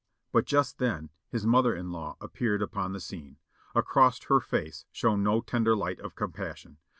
But just then his mother in law appeared upon the scene ; across her face shone no tender light of compassion.